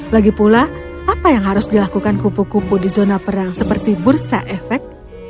lagi pula apa yang harus dilakukan kupu kupu di zona perang seperti bursa efek